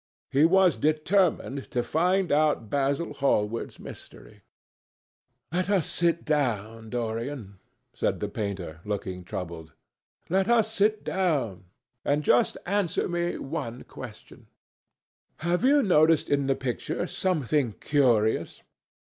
He was determined to find out Basil Hallward's mystery. "Let us sit down, Dorian," said the painter, looking troubled. "Let us sit down. And just answer me one question. Have you noticed in the picture something curious?